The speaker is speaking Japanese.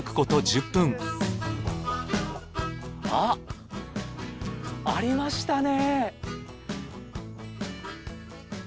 あっありましたね。